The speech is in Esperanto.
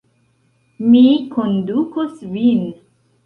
Mi kondukos vin.